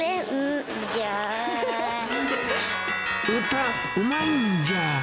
歌、うまいんじゃ？